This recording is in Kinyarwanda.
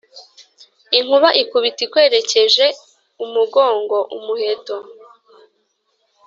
Inkuba ikubita ikwerekeje umugongo. Umuheto.